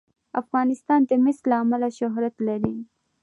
افغانستان د مس له امله شهرت لري.